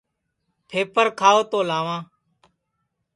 پھپر کھاو تو لاواں